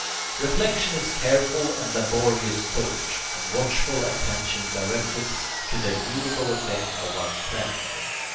Reflexion is careful and laborious thought, and watchful attention directed to the agreeable effect of one's plan.